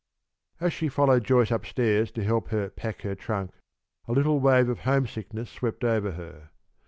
As she followed Joyce up stairs to help her pack her trunk, a little wave of homesickness swept over her.